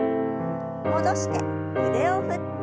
戻して腕を振って。